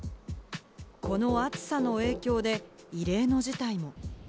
この暑さの影響で異例の事態も。